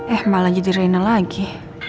eh malah jadi reinhard lagi